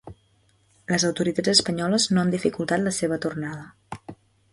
Les autoritats espanyoles no han dificultat la seva tornada.